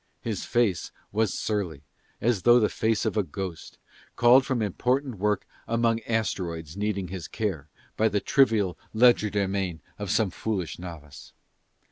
His face was surly, as though the face of a ghost, called from important work among asteroids needing his care, by the trivial legerdemain of some foolish novice.